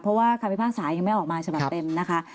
เพราะว่าคำพิพากษายังไม่ออกมาฉบับเต็มนะคะ